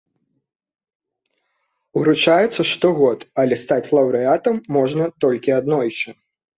Уручаецца штогод, але стаць лаўрэатам можна толькі аднойчы.